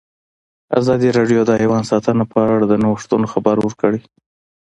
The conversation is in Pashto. ازادي راډیو د حیوان ساتنه په اړه د نوښتونو خبر ورکړی.